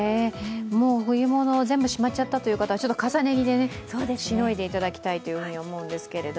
冬物全部しまっちゃったという方、重ね着でしのいでいただきたいと思います。